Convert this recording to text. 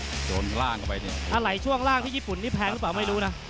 ถ้าโดนล่างเข้าไปเนี่ยอะไรช่วงล่างที่ญี่ปุ่นนี่แพงหรือเปล่าไม่รู้นะ